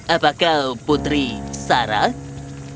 apa kau putri sarah